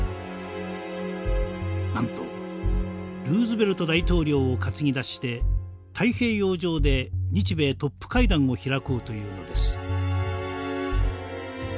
なんとルーズベルト大統領を担ぎ出して太平洋上で日米トップ会談を開こうというのです。